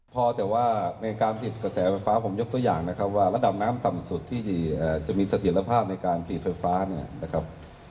พอแต่ว่าในการผลิตกระแสไฟฟ้าผมยกตัวอย่างนะครับว่าระดับน้ำต่ำสุดที่จะมีเสถียรภาพในการผลิตไฟฟ้าเนี่ยนะครับ